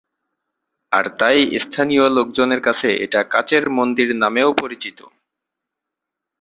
আর তাই এস্থানিয় লোকজনের কাছে এটা কাচের মন্দির নামেও পরিচিত।